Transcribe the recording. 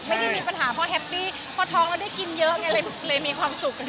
ไม่ได้มีปัญหาเพราะแฮปปี้เพราะท้องแล้วได้กินเยอะไงเลยมีความสุข